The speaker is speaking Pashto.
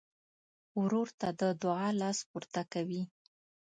ورور ته د دعا لاس پورته کوي.